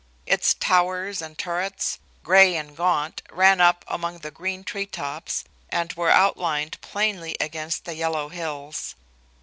Its towers and turrets, gray and gaunt, ran up among the green tree tops and were outlined plainly against the yellow hills.